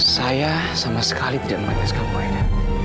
saya sama sekali tidak mengetes kamu aida